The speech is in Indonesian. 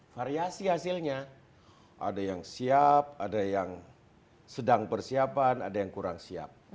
variasi hasilnya ada yang siap ada yang sedang persiapan ada yang kurang siap